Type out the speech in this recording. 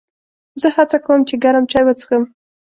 زه هڅه کوم چې ګرم چای وڅښم.